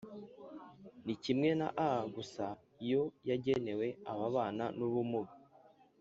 ni kimwe na A gusa yo yagenewe ababana n’ubumuga